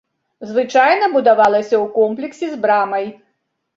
Звычайна будавалася ў комплексе з брамай.